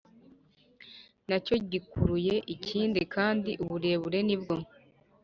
nacyo gikuruye ikindi kandi uburebure nibwo